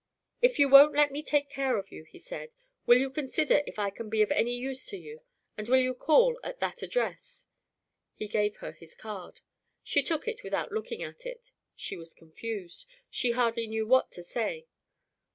"If you won't let me take care of you," he said, "will you consider if I can be of any use to you, and will you call at that address?" He gave her his card. She took it without looking at it; she was confused; she hardly knew what to say.